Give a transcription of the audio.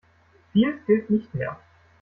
Viel fehlt nicht mehr.